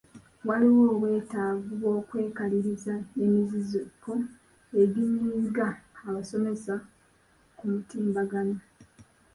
Waliwo obwetaavu bw'okwekaliriza emiziziko eginyiga abasomera ku mutimbagano.